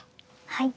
はい。